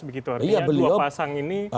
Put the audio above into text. begitu artinya dua pasang ini